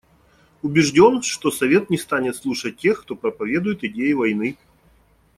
Убежден, что Совет не станет слушать тех, кто проповедует идеи войны.